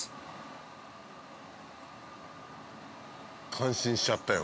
感心しちゃったよ